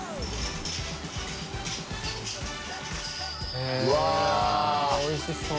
へぇおいしそう。